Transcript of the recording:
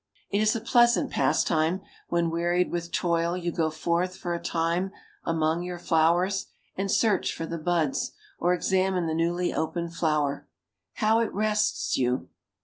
It is a pleasant pastime, when wearied with toil you go forth for a time among your flowers and search for the buds, or examine the newly opened flower. How it rests you!